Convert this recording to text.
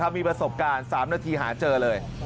มีประสบการณ์๓นาทีหาเจอเลย